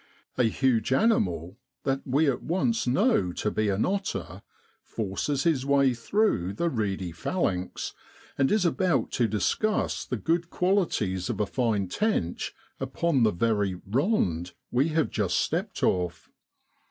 A huge animal, that we at once know to be an otter, forces his way through the reedy phalanx and is about to discuss the good qualities of a fine tench upon the very 'rond' we have just stepped off.